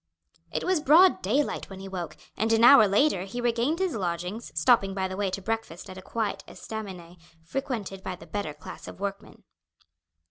It was broad daylight when he woke, and an hour later he regained his lodgings, stopping by the way to breakfast at a quiet estaminet frequented by the better class of workmen.